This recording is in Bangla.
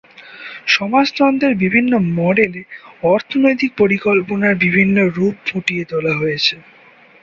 সমাজতন্ত্রের বিভিন্ন মডেলে অর্থনৈতিক পরিকল্পনার বিভিন্ন রূপ ফুটিয়ে তোলা হয়েছে।